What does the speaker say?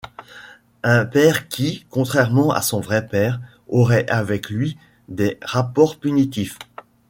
Un père qui, contrairement à son vrai père, aurait avec lui des rapports punitifs.